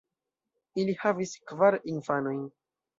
Ili havis kvar infanojn.